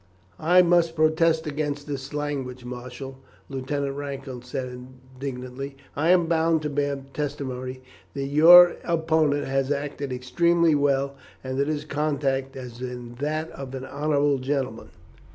"I must protest against this language, Marshall," Lieutenant Rankin said indignantly. "I am bound to bear testimony that your opponent has acted extremely well, and that his conduct has been that of an honourable gentleman."